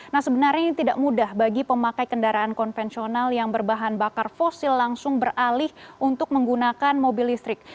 nah sebenarnya ini tidak mudah bagi pemakai kendaraan konvensional yang berbahan bakar fosil langsung beralih untuk menggunakan mobil listrik